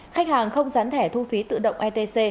khách hàng không gián thẻ thu phí tự động etc